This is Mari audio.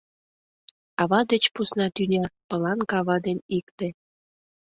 Ава деч посна тӱня — пылан кава ден икте.